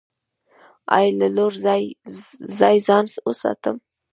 ایا له لوړ ځای ځان وساتم؟